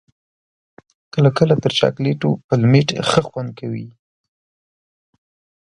کله کله تر چاکلېټو پلمېټ ښه خوند کوي.